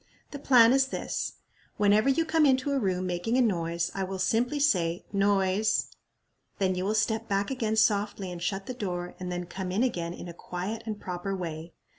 "The plan is this: whenever you come into a room making a noise, I will simply say, Noise. Then you will step back again softly and shut the door, and then come in again in a quiet and proper way.